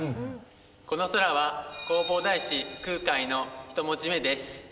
この空は弘法大師空海の１文字目です。